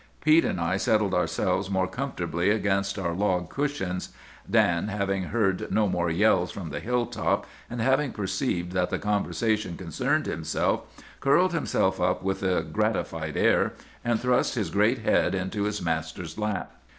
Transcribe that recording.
"Pete and I settled ourselves more comfortably against our log cushions. Dan, having heard no more yells from the hilltop, and having perceived that the conversation concerned himself, curled himself up with a gratified air, and thrust his great head into his master's lap.